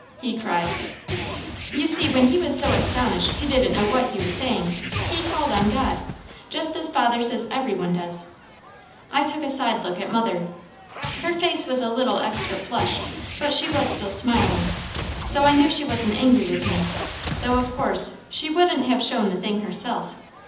he cried. You see when he was so astonished he didn't know what he was saying, he called on God, just as father says every one does. I took a side look at mother. Her face was a little extra flushed, but she was still smiling; so I knew she wasn't angry with me, though of course she wouldn't have shown the thing herself.